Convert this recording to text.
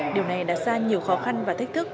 điều này đã xa nhiều khó khăn và thách thức